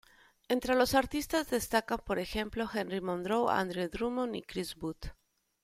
Entre los artistas destacan por ejemplo Henry Moore, Andrew Drummond y Chris Booth.